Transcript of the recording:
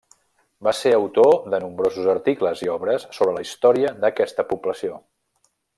Va ser autor de nombrosos articles i obres sobre la història d'aquesta població.